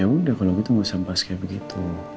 ya udah kalau gitu gak usah bahas kayak begitu